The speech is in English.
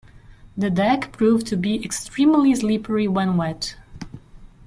The deck proved to be extremely slippery when wet.